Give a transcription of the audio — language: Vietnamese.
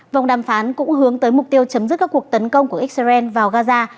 vòng đàm phán cũng hướng tới mục tiêu chấm dứt các cuộc tấn công của israel vào gaza